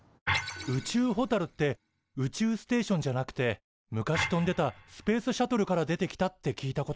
宇宙ホタルって宇宙ステーションじゃなくて昔飛んでたスペースシャトルから出てきたって聞いたことがある。